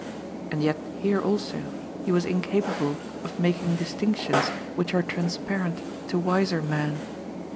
And yet here also, he was incapable of making dis tinctions which are transparent to wiser men.